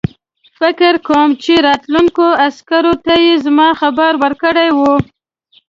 فکر کوم چې راتلونکو عسکرو ته یې زما خبر ورکړی وو.